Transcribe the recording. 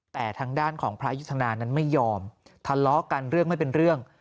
แต่ทางด้านของพระยุทธนานั้นไม่ยอมทะเลาะกันเรื่องไม่เป็นเรื่อง